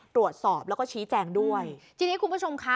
ตรวจสอบแล้วก็ชี้แจงด้วยจริงจริงคุณผู้ชมคะ